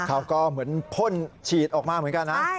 เขาก็เหมือนพ่นฉีดออกมาเหมือนกันนะ